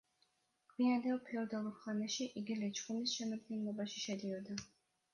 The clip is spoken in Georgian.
გვიანდელ ფეოდალურ ხანაში იგი ლეჩხუმის შემადგენლობაში შედიოდა.